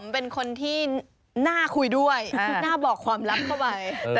เป็นคนที่น่าคุยด้วยน่าบอกความลับเข้าไป